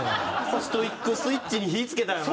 ストイックスイッチに火付けたんやな。